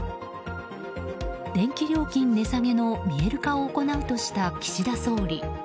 電気料金値下げの見える化を行うとした岸田総理。